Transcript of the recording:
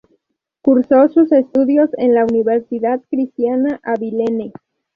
Cursó sus estudios en la Universidad Cristiana Abilene.